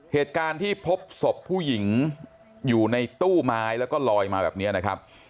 เหตุการณ์ที่พบศพผู้หญิงอยู่ในตู้ไม้แล้วก็ลอยมาแบบนี้นะครับ